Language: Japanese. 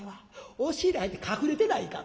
押し入れ入って隠れてないかん。